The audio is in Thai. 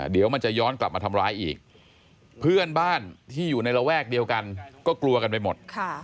เดี๋ยวมันจะย้อนกลับมาทำร้ายอีกเพื่อนบ้านที่อยู่ในระแวกเดียวกันก็กลัวกันไปหมด